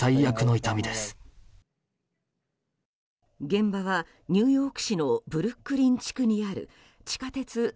現場はニューヨーク市のブルックリン地区にある地下鉄３６